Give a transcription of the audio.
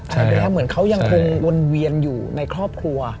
แสดงเหมือนเขายังคงวนเวียนอยู่ในครอบครัว